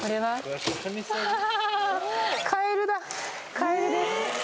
カエルです